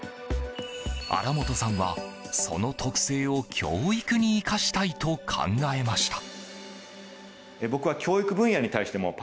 荒本さんはその特性を教育に生かしたいと考えました。